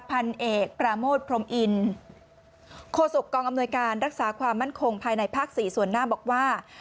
พันเอกปราโมทพรมอินโคศกกองอำนวยการรักษาความมั่นคงภายในภาค๔ส่วนหน้าบอกว่า